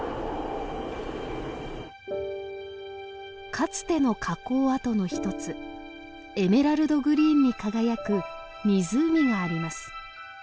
かつての火口跡の一つエメラルドグリーンに輝く湖があります。